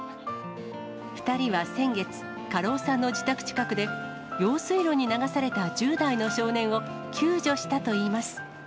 ２人は先月、家老さんの自宅近くで、用水路に流された１０代の少年を救助したといいます。